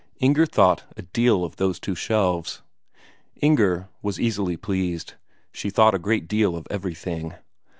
Inger thought a deal of those two shelves. Inger was easily pleased; she thought a great deal of everything.